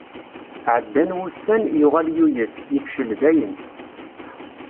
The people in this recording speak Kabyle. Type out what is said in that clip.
Ɛeddan wussan, yuɣal yuyes, yefcel dayen.